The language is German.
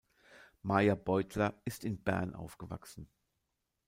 Maja Beutler ist in Bern aufgewachsen.